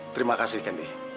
terima kasih candy